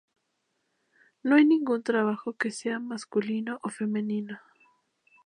No hay ningún trabajo que sea masculino o femenino.